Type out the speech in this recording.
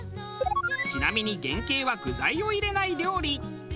ちなみに原形は具材を入れない料理。